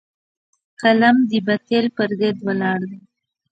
قلم د باطل پر ضد ولاړ دی